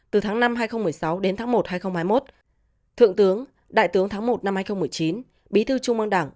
từ tháng năm hai nghìn một mươi sáu đến tháng một hai nghìn hai mươi một thượng tướng đại tướng tháng một năm hai nghìn một mươi chín bí thư trung ương đảng